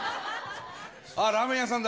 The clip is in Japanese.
あっ、ラーメン屋さんだ。